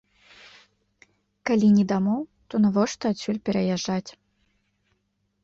Калі не дамоў, то навошта адсюль пераязджаць?